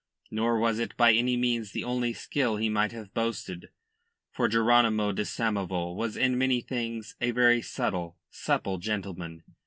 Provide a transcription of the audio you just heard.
Nor was it by any means the only skill he might have boasted, for Jeronymo de Samoval was in many things, a very subtle, supple gentleman.